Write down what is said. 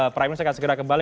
prime news akan segera kembali